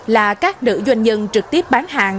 là các nữ doanh nhân trực tiếp bán hàng